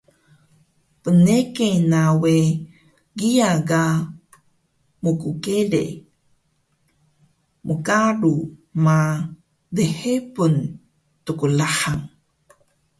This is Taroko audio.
Bnege na we kiya ka mkkere, mgalu ma, lhebun tqlahang